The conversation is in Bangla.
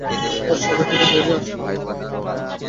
হয় সবাইকে নিয়ে বেরিয়ে আসব নয়তো লড়তে লড়তে মরে যাব।